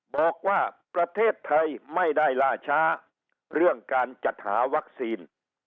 บอกว่าประเทศไทยไม่ได้ล่าช้าเรื่องการจัดหาวัคซีน